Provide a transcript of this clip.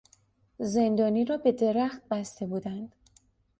زندانی را به درخت بسته بودند.